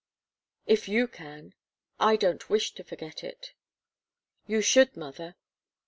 "If you can. I don't wish to forget it." "You should, mother.